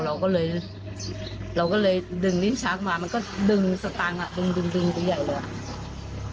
เราก็เลยดึงนิ้นชักมามันก็ดึงสตางค์มาดึงไปใหญ่แล้ว